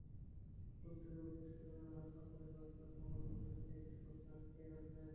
ক্ষুব্ধ রোগীর স্বজনেরা হাসপাতালের ব্যবস্থাপক মোবারক হোসেনকে একটি কক্ষে আটকে রাখেন।